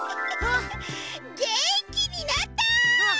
げんきになった！